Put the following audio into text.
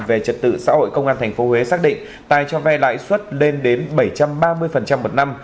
về trật tự xã hội công an tp huế xác định tài cho vay lãi suất lên đến bảy trăm ba mươi một năm